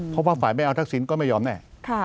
เพราะว่าฝ่ายไม่เอาทักษิณก็ไม่ยอมแน่